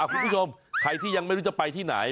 คุณผู้ชมใครที่ยังไม่รู้จะไปที่ไหน